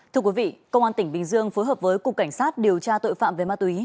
thưa quý vị công an tỉnh bình dương phối hợp với cục cảnh sát điều tra tội phạm về ma túy